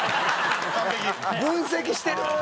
完璧。分析してる！